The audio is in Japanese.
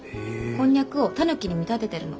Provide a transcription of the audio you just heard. こんにゃくをタヌキに見立ててるの。